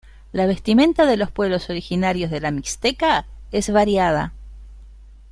La vestimenta de los pueblos originarios de La Mixteca es variada.